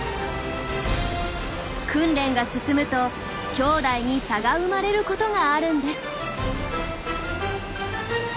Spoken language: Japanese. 訓練が進むときょうだいに差が生まれることがあるんです。